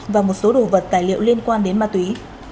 và một số đồ vật tài liệu liên quan đến ma túy